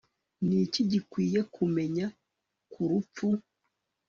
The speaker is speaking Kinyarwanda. Ni iki gikwiye kumenya ku rupfu